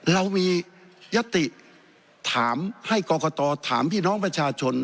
เรามียติถามให้กรกตถามพี่น้องประชาชน